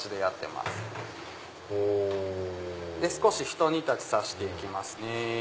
ひと煮立ちさせて行きますね。